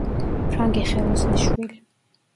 ფრანგი ხელოსნის შვილი.